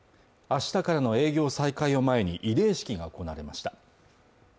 明日からの営業再開を前に慰霊式が行われました